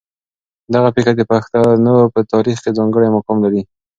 دغه پېښه د پښتنو په تاریخ کې ځانګړی مقام لري.